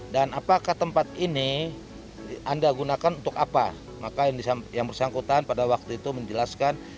dan apakah tempat ini anda gunakan untuk apa makanya yang bersangkutan pada waktu itu menjelaskan